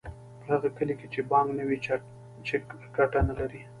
په هغه کلي کې چې بانک نه وي چک ګټه نلري